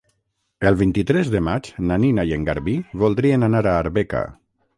El vint-i-tres de maig na Nina i en Garbí voldrien anar a Arbeca.